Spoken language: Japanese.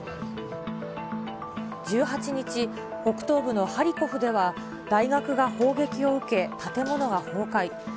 １８日、北東部のハリコフでは、大学が砲撃を受け、建物が崩壊。